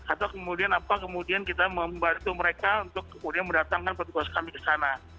atau kemudian apa kemudian kita membantu mereka untuk kemudian mendatangkan petugas kami ke sana